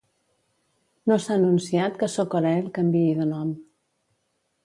No s'ha anunciat que 'Socorail' canviï de nom.